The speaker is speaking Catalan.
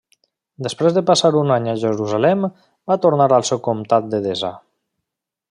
Després de passar un any a Jerusalem va tornar al seu comtat d'Edessa.